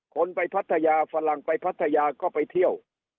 คนไปพัทยาฝรั่งไปพัทยาก็ไปเที่ยว